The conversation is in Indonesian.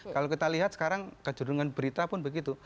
kalau kita lihat sekarang kejurungan berita pun begitu